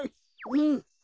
うん！